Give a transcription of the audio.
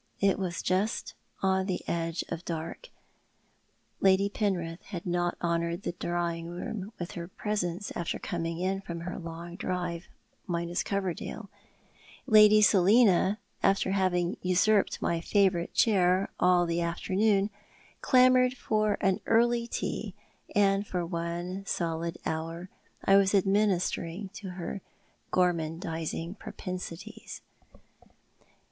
It was just on the edge of dark. Lady Penrith had not honoured the drawing room with her presence after coming in from her long drive, minus Coverdale, Lady Selina, after having usurped my favourite chair all the afternoon, clamoured for an early tea, and for one solid hour I was administering to her gormandising propensities.